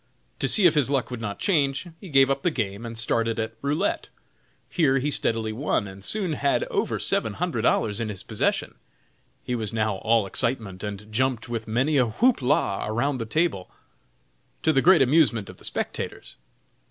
To see if his luck would not change, he gave up the game, and started at "roulette." Here he steadily won, and soon had over seven hundred dollars in his possession. He was now all excitement, and jumped with many a "whoop la" around the table, to the great amusement of the spectators.